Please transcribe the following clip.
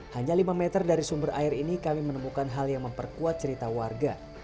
hanya lima meter dari sumber air ini kami menemukan hal yang memperkuat cerita warga